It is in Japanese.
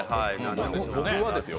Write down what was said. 僕はですよ。